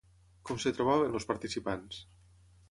Com es trobaven els participants?